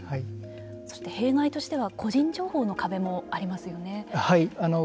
そして、弊害としては個人情報の壁もありますよね。